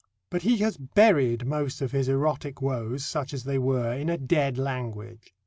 But he has buried most of his erotic woes, such as they were, in a dead language.